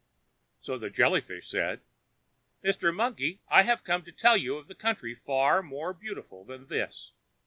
So the Jelly fish said: "Mr. Monkey, I have come to tell you of a country far more beautiful than this.